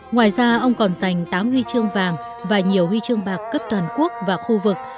ngoài ra ông còn dành tám huy chương vàng và nhiều huy chương bạc cấp toàn quốc và khu vực